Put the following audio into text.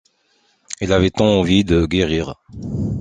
Il avait tant envie de guérir!